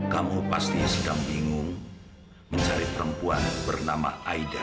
kamu pastinya sedang bingung mencari perempuan bernama aida